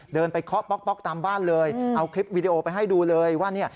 เดินไปเคาะป๊อกตามบ้านเลยเอาคลิปวิดีโอไปให้ดูเลยว่า